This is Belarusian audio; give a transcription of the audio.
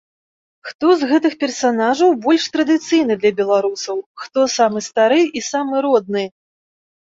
Хто з гэтых персанажаў больш традыцыйны для беларусаў, хто самы стары і самы родны?